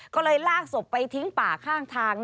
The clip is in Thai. ก็เลยลากศพไปทิ้งป่าข้างทาง